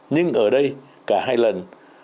nhưng ở đây cả hai lần